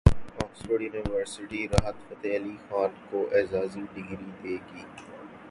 Oxford University Rahat Fateh Ali Khan کو اعزازی degree دے گی